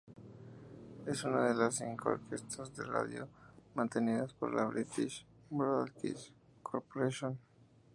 Es una de las cinco orquestas de radio mantenidas por la "British Broadcasting Corporation".